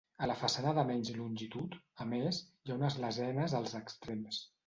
A la façana de menys longitud, a més, hi ha unes lesenes als extrems.